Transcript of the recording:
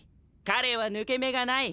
彼は抜け目がない！